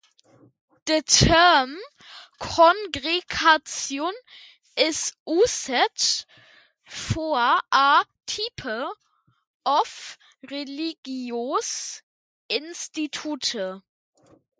The term "congregation" is used for a type of religious institute.